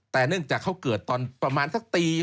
แต่เนื่องจากเขาเกิดตอนประมาณสักตี